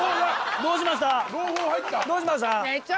どうしました？